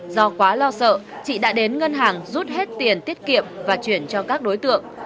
do quá lo sợ chị đã đến ngân hàng rút hết tiền tiết kiệm và chuyển cho các đối tượng